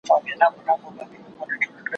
نه درك وو په ميدان كي د ټوكرانو